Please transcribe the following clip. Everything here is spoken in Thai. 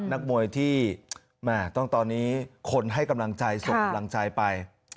นักมวยที่แม่ต้องตอนนี้คนให้กำลังใจส่งกำลังใจไป